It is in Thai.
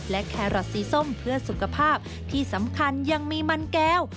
และแครอทสีส้มเพื่อสุขภาพที่สำคัญยังมีมันแก้ว